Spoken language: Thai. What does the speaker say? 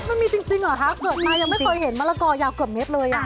มันมีจริงเหรอคะเกิดมายังไม่เคยเห็นมะละกอยาวเกือบเม็ดเลย